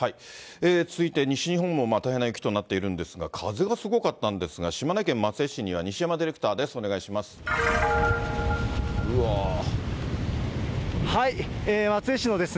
続いて、西日本も大変な雪となっているんですが、風がすごかったんですが、島根県松江市には西山ディレクターです、お願いします。